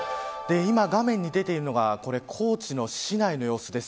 今、画面に出ているのが高知の市内の様子です。